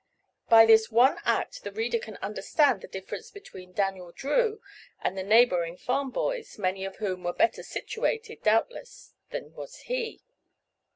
By this one act the reader can understand the difference between Daniel Drew and the neighboring farm boys, many of whom were better situated, doubtless, than was he.